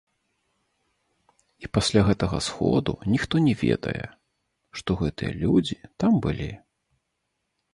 І пасля гэтага сходу ніхто не ведае, што гэтыя людзі там былі.